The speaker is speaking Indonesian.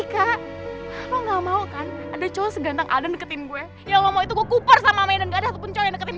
jangan jangan anakmu unggul